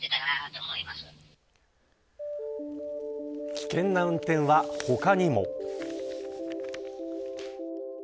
危険な運転は他にも。